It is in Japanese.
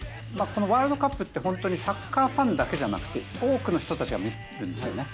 このワールドカップってホントにサッカーファンだけじゃなくて多くの人たちが見るんですよね。